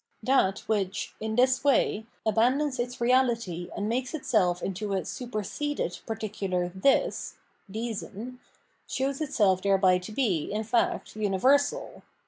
That which, in this way, abandons its reality and makes itself into a superseded particular "this" (Diesen), shows itself thereby to be, in fact, universal.